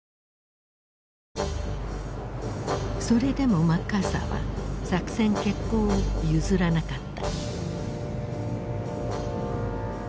それでもマッカーサーは作戦決行を譲らなかった。